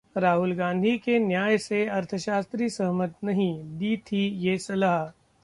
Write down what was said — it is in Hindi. राहुल गांधी के 'न्याय' से अर्थशास्त्री सहमत नहीं, दी थी ये सलाह